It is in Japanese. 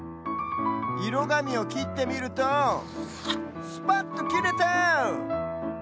いろがみをきってみるとスパッときれた！